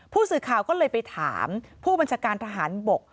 ผู้สื่อข่าวก็เลยไปถามผู้บัญชาการทหารบก